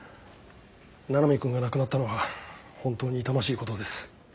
七海君が亡くなったのは本当に痛ましいことです。